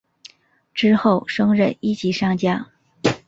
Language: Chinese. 之后升任一级上将。